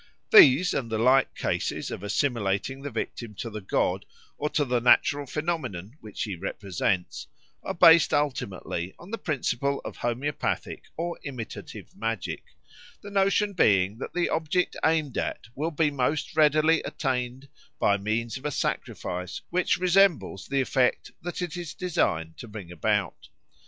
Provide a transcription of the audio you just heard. These and the like cases of assimilating the victim to the god, or to the natural phenomenon which he represents, are based ultimately on the principle of homoeopathic or imitative magic, the notion being that the object aimed at will be most readily attained by means of a sacrifice which resembles the effect that it is designed to bring about.